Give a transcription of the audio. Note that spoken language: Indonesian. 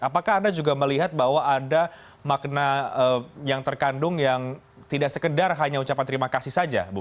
apakah anda juga melihat bahwa ada makna yang terkandung yang tidak sekedar hanya ucapan terima kasih saja bu